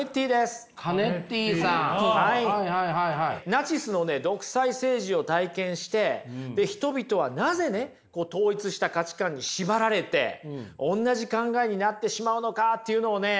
ナチスのね独裁政治を体験して人々はなぜね統一した価値観に縛られておんなじ考えになってしまうのかっていうのをね